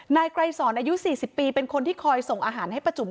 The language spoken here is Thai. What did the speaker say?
นายไกรสอนอายุ๔๐ปีเป็นคนที่คอยส่งอาหารให้ประจุม